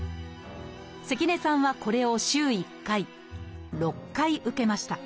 関根さんはこれを週１回６回受けました。